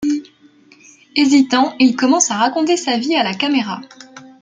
Hésitant, il commence à raconter sa vie à la caméra.